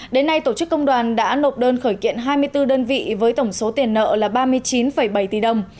đến nay tổ chức công đoàn đã nộp đơn khởi kiện hai mươi bốn đơn vị với tổng số tiền nợ là ba mươi chín bảy tỷ đồng